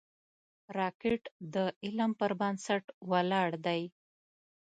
راکټ د علم پر بنسټ ولاړ دی